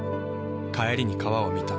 帰りに川を見た。